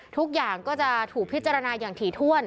ทุกอย่างก็จะถูกพิจารณาอย่างถี่ถ้วน